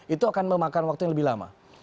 itu akan memakan waktu yang lebih lama